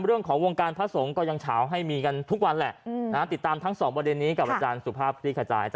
เรื่องของวงการพระสงฆ์ก็ยังเฉาให้มีกันทุกวันแหละติดตามทั้งสองประเด็นนี้กับอาจารย์สุภาพคลิกขจาย